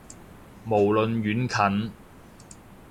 無論遠近